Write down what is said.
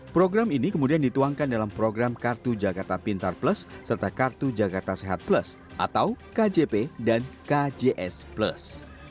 program ini kemudian dituangkan dalam program kartu jakarta pintar plus serta kartu jakarta sehat plus atau kjp dan kjs plus